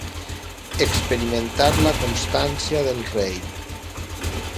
Experimentar la constància del rei.